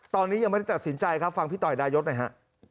ตอนนี้ยังไม่ได้ตัดสินใจครับฟังพี่ต่อยดายศหน่อยฮะ